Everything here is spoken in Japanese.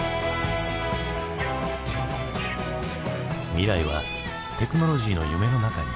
未来はテクノロジーの夢の中に。